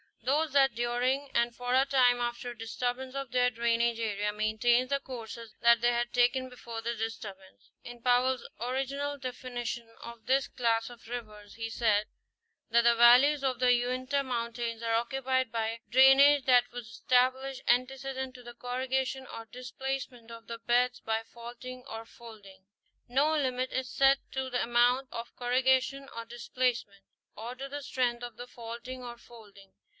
—Those that during and for a time after a disturbance of their drainage area maintain the courses that they had taken before the disturbance. In Powell's original definition of this class of rivers, he said that the valleys of the Uinta mountains are occupied by "drainage that was established ante cedent to the corrugation or displacement of the beds by faulting or folding."* No limit is set to the amount of corrugation or displacement or to the strength of the faulting or folding.